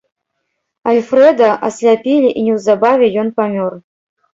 Альфрэда асляпілі і неўзабаве ён памёр.